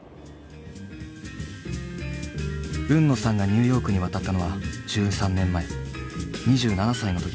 海野さんがニューヨークに渡ったのは１３年前２７歳の時だった。